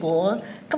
cấp ủy các cấp